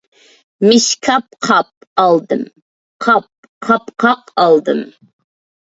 مىشكاپ _ قاپ ئالدىم، قاپ_ قاپقاق ئالدىم.